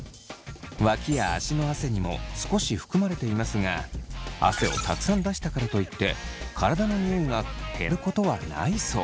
脇や足の汗にも少し含まれていますが汗をたくさん出したからといって体のニオイが減ることはないそう。